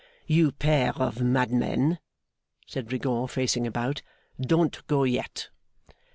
'You pair of madmen!' said Rigaud, facing about. 'Don't go yet!